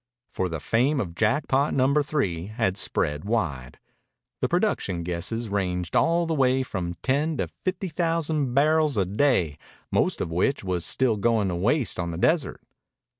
For the fame of Jackpot Number Three had spread wide. The production guesses ranged all the way from ten to fifty thousand barrels a day, most of which was still going to waste on the desert.